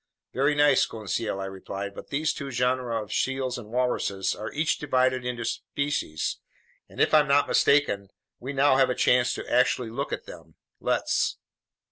"Very nice, Conseil," I replied, "but these two genera of seals and walruses are each divided into species, and if I'm not mistaken, we now have a chance to actually look at them. Let's."